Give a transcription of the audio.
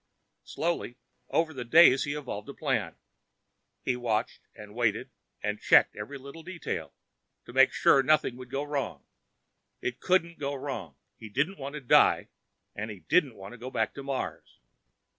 Slowly, over the days, he evolved a plan. He watched and waited and checked each little detail to make sure nothing would go wrong. It couldn't go wrong. He didn't want to die, and he didn't want to go back to Mars.